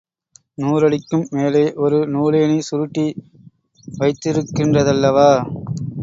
நூறடிக்கும் மேலே ஒரு நூலேணி சுருட்டி வைத்திருக்கிறதல்லவா?